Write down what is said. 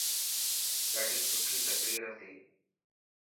ڏاڌي سٺي تقرير هتي.